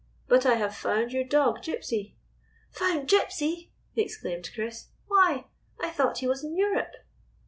But I have found your dog Gypsy." " Found Gypsy!" exclaimed Chris. "Why, I thought he was in Europe."